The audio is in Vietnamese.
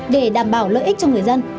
để đảm bảo lợi ích cho người dân